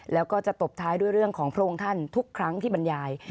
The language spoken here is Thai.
แล้วก็จะตบท้ายด้วยเรื่องของพระองค์ท่านทุกครั้งที่บรรยาย